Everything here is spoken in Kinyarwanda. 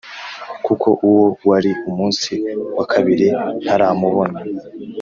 kuko uwo wari umusi wakabiri ntaramubona.